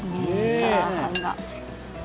チャーハンが。